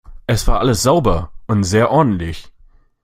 Es war alles sauber und sehr ordentlich!